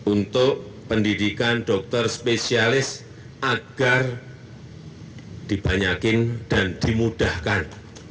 untuk pendidikan dokter spesialis agar dibanyakin dan dimudahkan